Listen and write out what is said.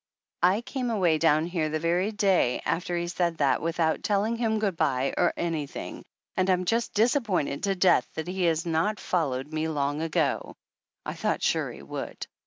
I came away down here the very day after he said that, without telling him good by or anything. And I'm just disappointed to death that he has not followed me long ago. I thought sure he would